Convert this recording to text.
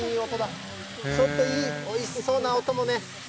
ちょっといい、おいしそうな音もね。